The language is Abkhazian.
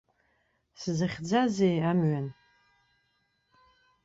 Сзыхьӡазеи амҩан?